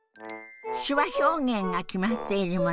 手話表現が決まっているもの